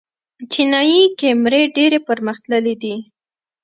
چینايي کیمرې ډېرې پرمختللې دي.